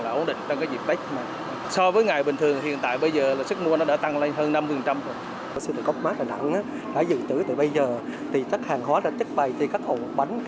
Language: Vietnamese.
là ổn định trong dịp tết so với ngày bình thường hiện tại bây giờ sức mua đã tăng lên hơn năm mươi